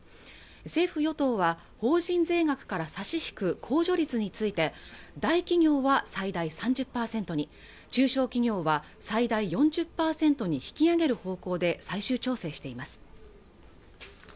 政府与党は法人税額から差し引く控除率について大企業は最大３０％に中小企業は最大４０％に引き上げる方向で最終調整しています